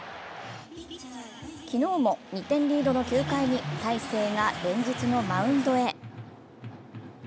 昨日も２点リードの９回に大勢が連日のマウンドへ。